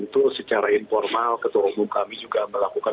dan juga tentu secara informal ketua umum kami juga melakukan